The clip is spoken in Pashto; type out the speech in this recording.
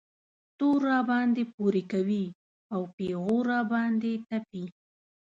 تور راباندې پورې کوي او پېغور را باندې تپي.